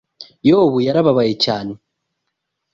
Yobu yarababaye cyane.